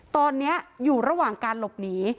ตอนนี้อยู่ระหว่างการหลบหนี